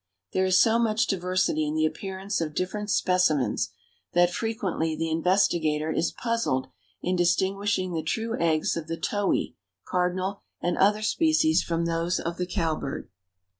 There is so much diversity in the appearance of different specimens, that frequently the investigator is puzzled in distinguishing the true eggs of the towhee, cardinal, and other species from those of the cowbird.